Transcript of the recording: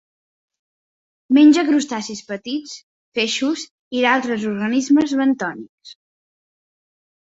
Menja crustacis petits, peixos i d'altres organismes bentònics.